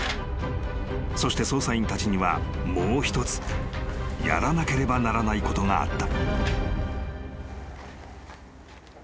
［そして捜査員たちにはもう一つやらなければならないことがあった］